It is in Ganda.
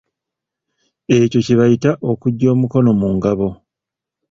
Ekyo kye bayita okuggya omukono mu ngabo.